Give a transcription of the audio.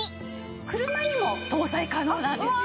車にも搭載可能なんですよ。